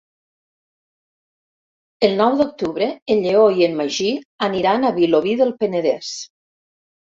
El nou d'octubre en Lleó i en Magí aniran a Vilobí del Penedès.